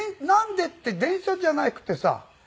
「“なんで”って電車じゃなくてさ」。